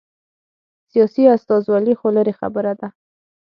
سیاسي استازولي خو لرې خبره وه.